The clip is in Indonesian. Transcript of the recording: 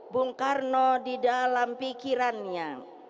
bung karno di dalam pikirannya